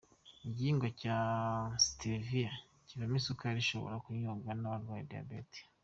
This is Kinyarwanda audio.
Igihingwa cya Siteviya kivamo isukari ishobora kunyobwa n’abarwaye Diyabeti.